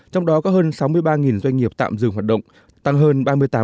trong đó có hơn sáu mươi ba doanh nghiệp tạm dừng hoạt động tăng hơn ba mươi tám